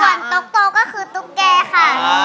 ส่วนตกก็คือตุ๊กเกค่ะ